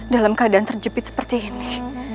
dalam keadaan terjepit seperti ini